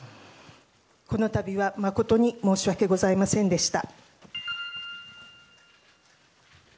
この度は誠に申し訳ございませんでした。